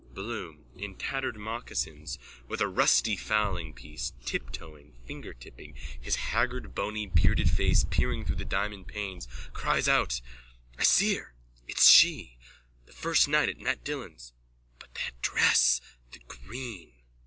BLOOM: _(In tattered mocassins with a rusty fowlingpiece, tiptoeing, fingertipping, his haggard bony bearded face peering through the diamond panes, cries out.)_ I see her! It's she! The first night at Mat Dillon's! But that dress, the green!